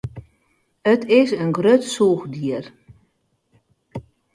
It is in grut sûchdier.